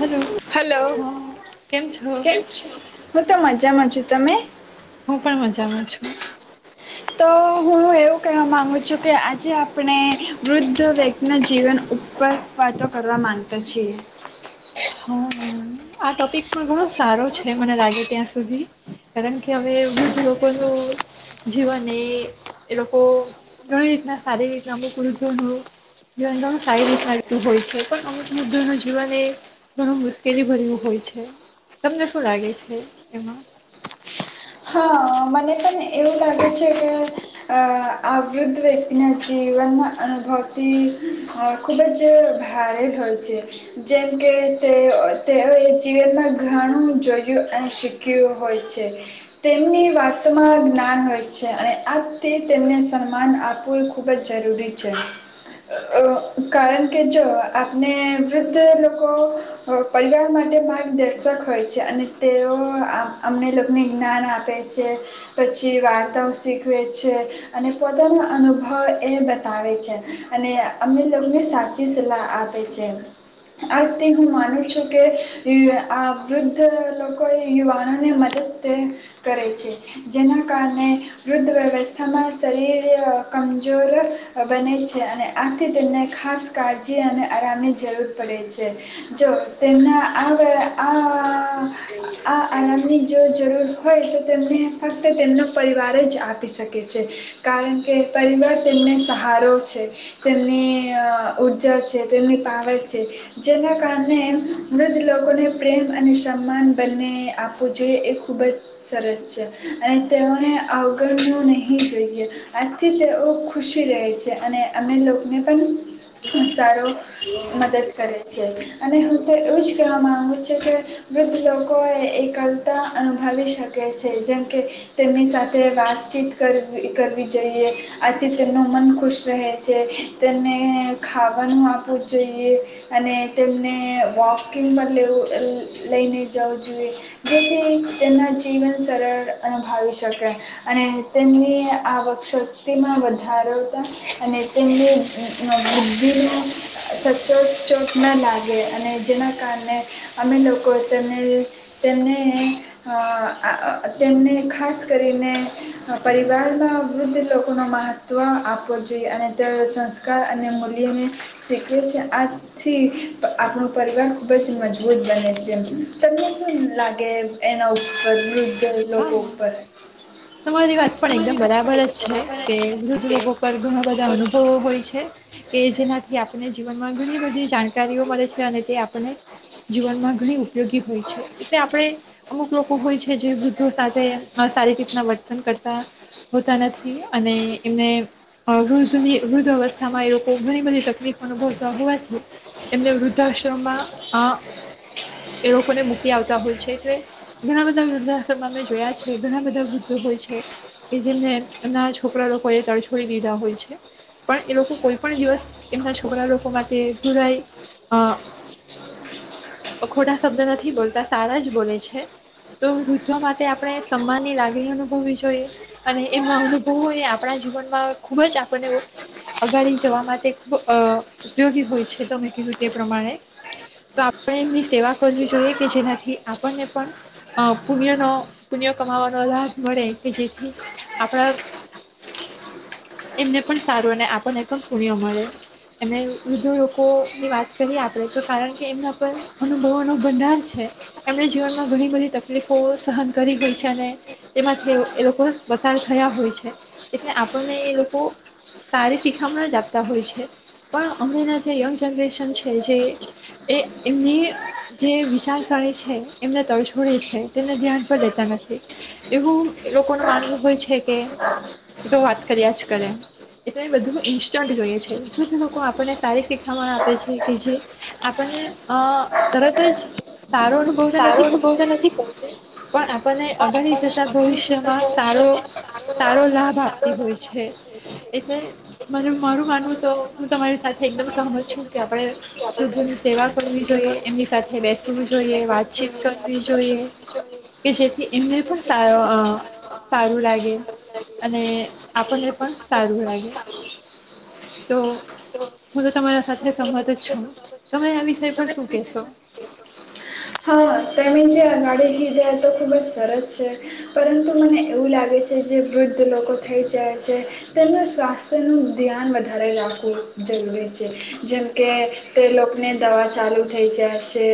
Hello hello હા કેમ છો કેમ છે? હું તો મજામાં છું. તમે. હું પણ મજામાં છું. તો હું એવું કહેવા માગુ છું કે આજે આપણે વૃદ્ધ વ્યક્તિના જીવન ઉપર વાતો કરવા મામાંગતા છીએ. હમ. હા ટોપિક ઘણો સારો છે મને લાગે ત્યાં. કારણ કે હવે વૃદ્ધ લોકોનું જીવન એ એ લોકો ઘણી રીતના સારી રીત અમુક વૃદ્ધોનું જીવન સારી રીતના રહેતું હોય છે પણ અમુક વૃદ્ધોનું જીવન એ ઘણું મુશ્કેલી ભર્યું. હોય છે તમને શું લાગે છે એમાં હા મને પણ એવું લાગે છે કે આ વૃદ્ધ વ્યક્તિના જીવનમાં અનુભવતી ખૂબ જ ભારે હોય છે જેમ કે તે તેઓએ જીવનમાં ઘણું જોયું અને શીખ્યું હોય છે. તેમની વાતમાં જ્ઞાન હોય છે અને આજથી તેમને સન્માન આપવું ખૂબ જ જરૂરી છે કારણ કે જો આપને વૃદ્ધ લોકો પરિવાર માટે માર્ગદર્શક હોય છે અને તેઓ અમને લોકોને જ્ઞાન આપે. પછી વાર્તાઓ શીખવે છે અને પોતાનો અનુભવ એ બતાવે છે અને અમને લોકોને સાચી સલાહ આપે છે આજથી હું માનું છું કે આ વૃદ્ધ લોકો યુવાનોને મદદ કરે છે જેના કારણે વૃદ્ધ વ્યવસ્થામાં શરીર કમજોર બને છે અને આથી તેમને ખાસ કાળજી અને આરામની જરૂર પડે છે જો તેમના આ આ આ આધુનિક જરૂર જરૂર. હોય તો તેમને ફક્ત તેમનો પરિવાર જ આપી શકે છે કારણ કે પરિવાર તેમને સહારો છે તેમની ઉઊર્જા છે તેમની પાવર છે જેના કારણે મૃ્ધ લોકોને પ્રેમ અને સન્માન બંને આપવું જોઈએ એ ખૂબ જ સરસ છે અને તેઓને અગળ ન નહી. નહીં જોઈએ આજથી તેઓ ખુશી રહે છે અને અમે લોકોને પણ સારો મદદ કરે. અને હું તો એવું જ કવા માંગુ છું કે વૃદ્ધ લોકો એ એલતા અનુભવી. છે જેમકે તેમની સાથે વાતચીત કરવી જોઈએ આથી તેમનું મન ખુશ રહે છે તેમને ખાવાનું આપવું જોઈએ અને તેમને વોકિંગ પર લેવું લઈને જવું જોઈએ જેથી એના જીવન સરળ અનુભવી શકે અને તેમની આવકશક્તિમાં વધારતા અને તેમની વૃદ્ધિનો સચોટચોટ ન લાગે અને જેના કારણે અમે લોકો તેમને તેમને આ તેમને ખાસ કરીને પરિવારમાં વૃદ્ધ લોકોનો મહત્ત્વ આપવો જોઈએ અને તે સંસ્કાર અને મૂલ્યને શીખવે છે આથી આપણો પરિવાર ખૂબ જ મજબૂત બને છે તમને શું લાગે એનો પરવૃદધ હા તમારી વાત પણ એકદમ બરાબર જ છે કે વૃદ્ધ લોકો પર ઘણા બધા અનુભવો હોય છે કે જેનાથી આપને જીવનમાં ઘણી બધી જાણકારીઓ મળે છે અને તે આપને જીવનમાં ઘણી ઉપયોગી હોય છે એટલે આપણે અમુક લોકો હોય છે. કે જે સાથે સારી રીતના વર્તન કરતા હોતા નથી અને એમને વૃદ્ધની વૃદ્ધવસ્થામાં લોકો ઘણી બધી તકલીફ અનુભવતા હોવાથી એમને વૃદ્ધાશ્રમમાં આ એ લોકોને મૂકી આવતા હોય છે એટલે ઘણા બધા વૃદ્ધાશ્ર ઘણા બધા વૃદ્ધો હોય છે કે જેમને એમના છોકરા લોકો એ તડછોડી દીધા હોય છે પણ એ લોકો કોઈ પણ દિવસ એમના છોકરા લોકો માટેુરાઈ અ અ ખોટા શબ્દ નથી બોલતા સારા જ બોલે છે તો વા માટે આપણે સન્માનની લાગણી અનુભવવી જોઈએ અને એમના અનુભવોને આપણા જીવનમાં ખૂબ જ આપણને અગાડી જવા માટે ખૂબ ઉપયોગી હોય છે તોમે કીધું તે પ્રમાણે તો આપણે એમની સેવા કરવી જોઈએ કે જેનાથી આપણને પણ પુણ્યનો પુણ્ય કમાવાનો લાભ મળે કે જેથી આપણા એમને પણ સારું અને આપણને પણ પુણ્ય મળે એને વૃદ્ધો લોકોની વાત કરીએ આપણે તો કારણ કે એમના પર અનુભવોનો ભંડાર છે એમને જીવનમાં ઘણી બધી તક લોકો લોકો સહન કરી ગય છે અને તેમાંથી એ લોકો પસાર થયા હોય છે એટલે આપણને એ લોકો સારી શીખામણ જ આપતા હોય છે પણ અમનેનાં જે યંગ જનરેશન છે જે એ એમની જે વિચારસરે છે એમને તરછોડે છે. તેને ધ્યાન પર લેતા નથી એવું લોકોનું માનવું હોય છે કે તો વાત કર્યા જ કરે એટલે બધું ઇન્સ્ટન્ટ જોઈએ છે બધું લોકો આપણને સારી શીખણ આપે છે કે જે આપણને તરત જ સારો અનુભવ તો નથી કતી. પણ આપણને અગળ જતા ભવિષ્યમાં સારો સારો લાભ આપતી હોય છે એટલે મને મારું માનવું તો હું તમારી સાથે એકદમ સહમત છું કે આપણે લોકોની સેવા કરવી જોઈએ એમની સાથે બેસવું જોઈએ વાતચીત કરવી જોઈએ. કે જેથી એમને પણ સારો સારું લાગે અને આપણને પણ સારું લાગે તો હું તો તમારા સાથે સંમત જ છું તમે આ વિષય પર શું કેહેશો. હા તમે જે અગાડી કીધે તો ખૂબ જ સરસ છે પરંતુ મને એવું લાગે છે જે વૃદ્ધ લોકો થઈ જાય છે તેમનું સ્વાસ્થ્યનું ધ્યાન વધારે રાખવું જરૂરી છે જેમ કે તે લોકોને દવા ચાલુ થઈ જાય છે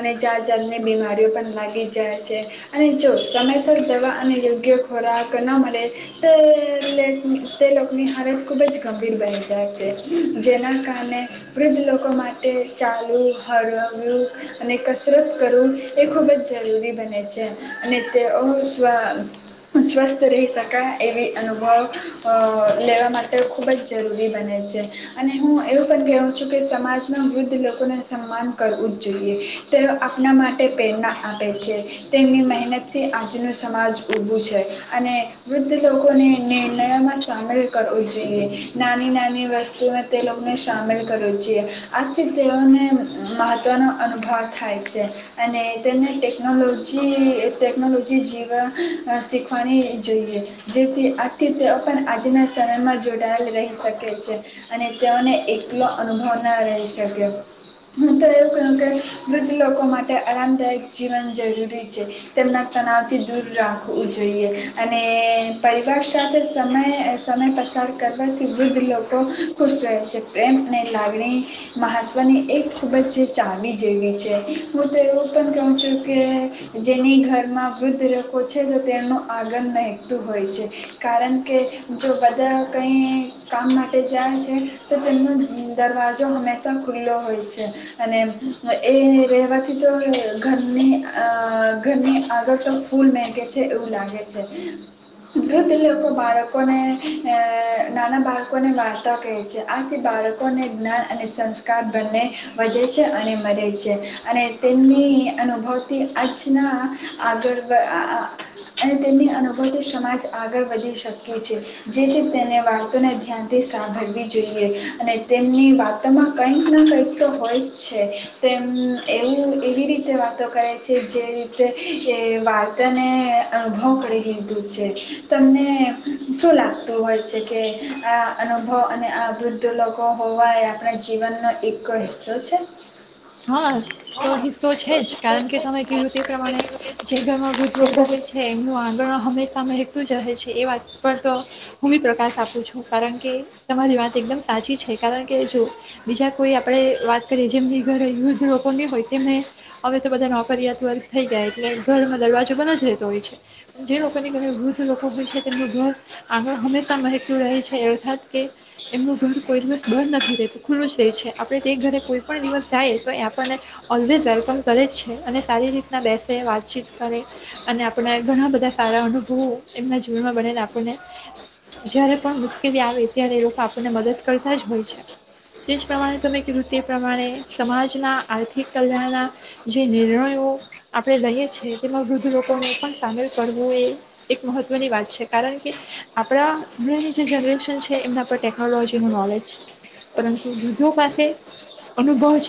અને જાયાં જાત અને બીમારીઓ પણ લાગી જાય છે અને જો સમયસર દવા અને યોગ્ય ખોરાક ન મળે તે તે લોકોની હરત ખૂબ જ ગંભીર બની જાય છે જેના કારણે વૃદ્ધ લોકો માટે ચાલુ હળવું અને કસરત કરવું એ ખૂબ જ જરૂરી બને છે અને તેઓ સ્વ સ્વસ્થ રહી શકાય એવી અનુભવ લેવા માટે ખૂબ જ જરૂરી બને છે અને હું એવું પણ કહેહું છું કે સમાજમાં વૃદ્ધ લોકોને સન્માન કરવું જ જોઈએ તે આપના માટે પ્રેરણા આપે છે તેમની મહેનતથી આજનું સમાજ ઊભું છે અને વૃદ્ધ લોકોને નિર્ણયોમાં સામેલ કરવો જોઈએ નાની નાની વસ્તુમાં તે લોકોને સામેલ કરવો જોઈએ આથી તેઓને મહત્ત્વનો અનુભવ થાય છે. ટેકનોલોજી ટેકનોલોજી જીવા શીખવાની જોઈએ જેથી આથી તેઓ પણ આજના સમયમાં જોડાયેલ રહી શકે છે અને તેઓને એકલો અનુભવ ના રહી શક્યોું તો એવું કહું કે વૃદ્ધ લોકો માટે માટે આરામદાયક જીવન જરૂરી છે તેમના તણાવથી દૂર રાખવું જોઈએ અને પરિવાર સાથે સમય સમય પસાર કરવાથી વૃદ્ધ લોકો ખુશ રહે છે પ્રેમ અને લાગણી મહત્ત્વની એ ખૂબ જ ચાવી જેવી છે. હું તો એવું પણ કહું છું કે જેની ઘરમાં વૃદ્ધ લોકો છે તો તેનું આગન નહેંકતું હોય છે. કારણ કે જો વદન કઈ કામ માટે જાય છે તો તેમનો દરવાજો હંમેશા ખુલ્લો હોય છે અને એ રહેવા તો ઘરની ઘરની આગળ તો ફૂલ મેહેગે છે એવું લાગે છે વૃધ લોકો બાળકોને નાના બાળકોને વાર્તા કહે છે આથી બાળકોને જ્ઞાન અને સંસ્કાર બંને વધે છે અને મળે છે અને તેમની અનુભવથી અચના આગળ અને તેમની અનુભવથી સમાજ આગળ વધી શએ છે જેથી તેને વાર્તોને ધ્યાનથી સાંભળવી જોઈએ અને તેમની વાતમાં કંઈ ના કંઈક તો હોય જ છે તેમ એવું એવી રીતે વાતો કરે છે જે રીતે એ વાર્તાને અનુભવ કરી લીધું છે તમને શું લાગતું હોય છે કે આ અનુભવ અને આ વૃદ્ધ લોકો હોવાય. અને જીવનનો એક હિસ શ છે. હા. તો હિસ્સો છે જ કારણ કે તમે કીધું તે પ્રમાણે જે ઘરમાં વૃદ્ધ લોકો હોય છે એમનું આંગણ હંમેશા મતું જ રહે છે એ વાત પણ તો હું બી પ્રકાશ આપું છું કારણ કે તમારી વાત એકદમ સાચી છે કારણ કે જો બીજા કોઈ આપડે વાત કરીએ જેમ ઘરે યુદ્ધ લોકોની હોય તેમને હવે તો બધા નોકરિયાત વર્ગ થઈ ગયા એટલે ઘર દરવાજો બંધ જ રહેતો હોય છે જે લોકોની ઘરે વૃુદ્ધ લોકો હોય છે તેમનું ઘર આંગળ હંમેશા મહેક્યું રહે છે અર્થાત કે એમનું ઘર કોઈ દિવસ બંધ નથી રહેતું ખુલ્લું જ થાય છે આપડે તે ઘરે કોઈ પણ દિવસ. જાય તો એ આપણને ઓલવેઝ હેલ્પમ કરે જ છે અને સારી રીતના બેસે વાતચીત કરે અને આપણા ઘણા બધા સારા અનુભવો એમના જીવનમાં બનેને આપણને જ્યારે પણ મુશ્કેલી આવે ત્યારે એ લોકો આપણને મદદ કરતા જ હોય છે તે જ પ્રમાણે તમે કીધું તે પ્રમાણે સમાજના આર્થિક કલ્યાણના જે નિર્ણયો આપણે લઈએ છીએ તેમાં વૃદ્ધ લોકોનો પણ સામેલ કરવો એ એક મહત્ત્વની વાત છે કારણ કે આપણા અણેની જે જનરેશન છે એમના પર ટેકનોલોજીનું નોલેજ છે પરંતુ વૃદ્ધો પાસે અનુભવ છે.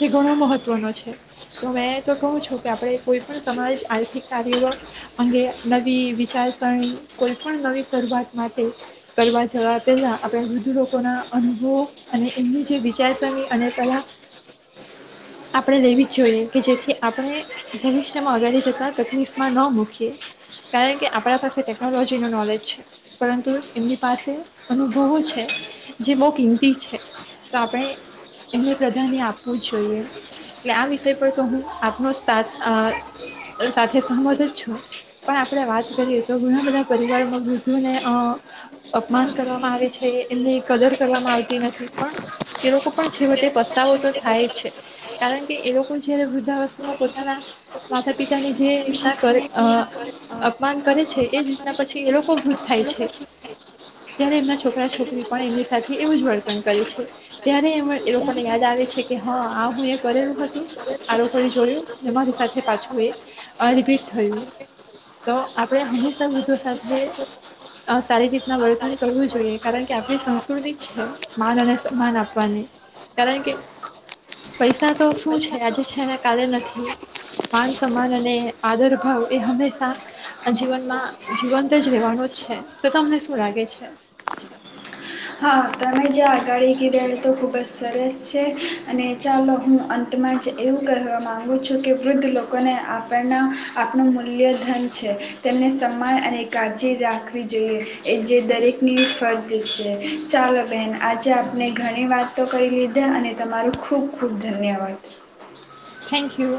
જે ઘણો મહત્વનો છે તો તો કહું છો કે આપણે કોઈ પણ સમાજ આર્થિક કાર્ય અંગે નવી વિચારસરણી કોઈ પણ નવી શરૂઆત માટે કરવા જવા પહેલા આપણે વૃદ્ધ લોકો ના અનુભવ અને એમની જે વિચારસરણી અને સલાહ આપણે લેવી જ જોઈએ કે જેથી આપણે ભવિષ્યમાં અગળ જતા તકલીફમાં ન મૂકીએ કારણ કે આપણા પાસે ટેકનોલોજી ન નોલેજ છે પરંતુ એમની પાસે અનુભવો છે જે બહુ કિંમતી છે તો આપણે એમને પ્રાધાન્ય આપવું જ જોઈએ એટલે આ વિષય પર તો હું આપનો સાથ સાથે સહમત જ છું પણ આપણે વાત કરીએ તો ઘણા બધા પરિવારોમાં વૃદ્ધને અપમાન કરવામાં આવે છે એમની કદર કરવામાં આવતી નથી પણ તે લોકો તાવો થાય છે કારણ કે એ લોકો જયારે વૃદ્ધાવસ્થામાં પોતાના માતા પિતાની જે રીતના કરે અપમાન કરે છે એ જ રીતના પછી એ લોકો વૃદ્ધ થાય છે ત્યારે એમના છોકરા છોકરી પણ એમની સાથે એવું જ વર્તન કરે છે ત્યારે એ લોકોને યાદ આવે છે કે હ આ હું એ કરેલું હતું આ લોકો જોડું મારી સાથે પાછું એ અ રિપીટ થયું તો આપણે હંમેશા વૃદ્ધો સાથે સારી રીતના વર્તન કરવું જોઈએ કારણ કે આપણી સંસ્કૃતિ છે માન અને સમાન આપવાની. કારણ કે પૈસા તો શું છે આજે છે એને કાલે નથી માન સન્માન અને આદર ભાવ એ હંમેશા જીવનમાં જીવંત જ રહેેવાનું જ છે તો તમને શું લાગે છે. હા તમે જ આગાડી કીધ તો ખૂબ જ સરસ છે અને ચાલો હું અંતમાં જ એવું કહેવા માંગુ છું કે વૃદ્ધ લોકોને આપણ આપણ મલ્યધન છે તેમને સમ્માન અને કાળજી રાખવી જોઈએ એ જે દરેકની ફરજ છે. ચાલો બહેન આજે આપને ઘણી વાતો કરી લીધે અને તમારું ખૂબ ખૂબ ધન્યવાદ. Thank you.